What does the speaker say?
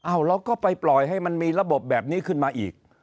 เราก็ไปปล่อยให้มันมีระบบแบบนี้ขึ้นมาอีก